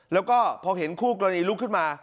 แล้วก็พอเห็นคู่กรณีลุกขึ้นมา